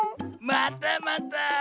またまた！